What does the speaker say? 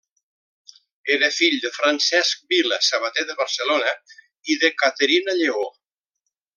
Era fill de Francesc Vila, sabater de Barcelona, i de Caterina Lleó.